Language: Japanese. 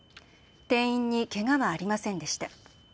店員にけがはありませんでした。